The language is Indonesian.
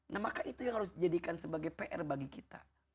nah maka itu yang harus dijadikan sebagai pr bagi kita